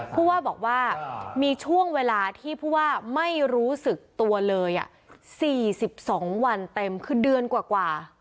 พูดว่าบอกว่ามีช่วงเวลาที่พูดว่าไม่รู้สึกตัวเลยอ่ะสี่สิบสองวันเต็มคือเดือนกว่ากว่า